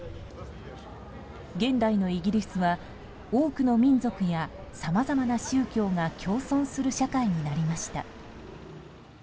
現代のイギリスは、多くの民族やさまざまな宗教が共存する社会になりました。